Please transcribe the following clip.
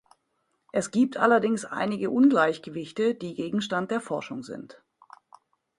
Es gibt allerdings einige Ungleichgewichte, die Gegenstand der Forschung sind.